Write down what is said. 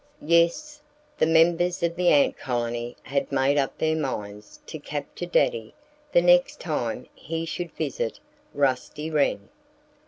Yes! The members of the ant colony had made up their minds to capture Daddy the next time he should visit Rusty Wren.